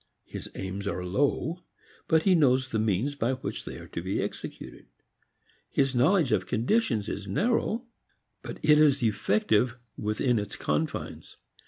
His aims are low, but he knows the means by which they are to be executed. His knowledge of conditions is narrow but it is effective within its confines.